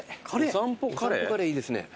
お散歩カレーいいですね。